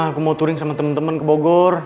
aku mau touring sama temen temen ke bogor